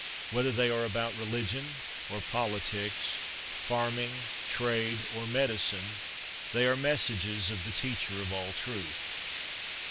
Whether they are about religion or politics, farming, trade, or medicine, they are messages of the Teacher of all truth.'